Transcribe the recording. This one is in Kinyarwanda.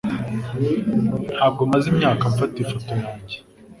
Ntabwo maze imyaka mfata ifoto yanjye.